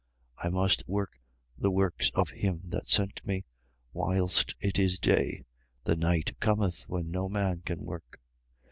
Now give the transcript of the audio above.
9:4. I must work the works of him that sent me, whilst it is day: the night cometh, when no man can work.